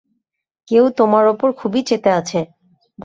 কেউ তোমার ওপর খুবই চেতে আছে।